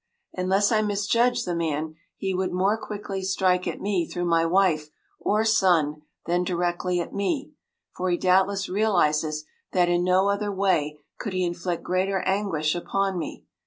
Unless I misjudge the man, he would more quickly strike at me through my wife or son than directly at me, for he doubtless realizes that in no other way could he inflict greater anguish upon me.